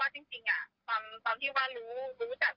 ผมอาจจะไม่อยู่อะไรประมาณเนี้ยพอพี่เห็นก็คือพี่ก็ตกใจนิดหน่อย